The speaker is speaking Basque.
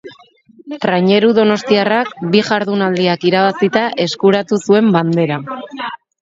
Traineru donostiarrak bi jardunaldiak irabazita eskuratu zuen Bandera.